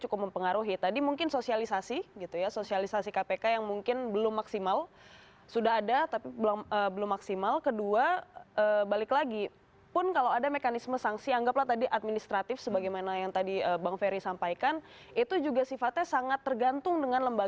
kurang kuat begitu ya